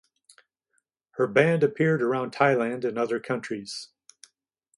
Her band appeared around Thailand and other countries.